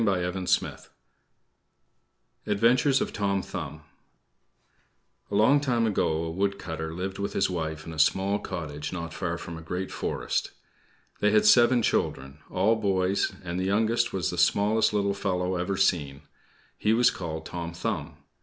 ADVENTURES OF TOM THUMB A long time ago, a woodcutter lived with his wife in a small cottage not far from a great forest. They had seven children all boys; and the youngest was the smallest little fellow ever seen. He was called Tom Thumb.